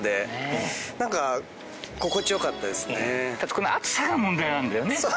この暑さが問題なんだよね。